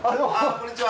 こんにちは。